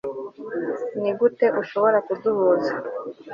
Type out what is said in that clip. Nigute ushobora kuduhuza